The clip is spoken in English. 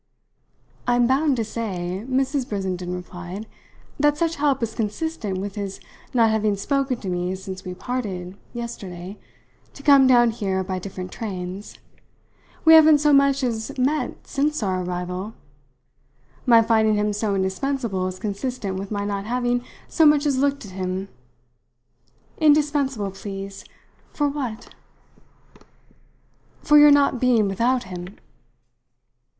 "I'm bound to say," Mrs. Brissenden replied, "that such help is consistent with his not having spoken to me since we parted, yesterday, to come down here by different trains. We haven't so much as met since our arrival. My finding him so indispensable is consistent with my not having so much as looked at him. Indispensable, please, for what?" "For your not being without him."